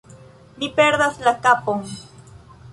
Mi perdas la kapon!